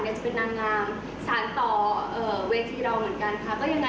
จะเป็นนางงามสารต่อเวทีเราเหมือนกันค่ะ